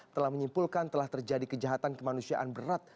telah menyimpulkan telah terjadi kejahatan kemanusiaan berat